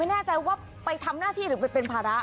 ไม่แน่ใจว่าไปทำหน้าที่หรือไปเป็นภาระ